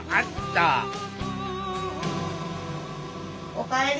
おかえり！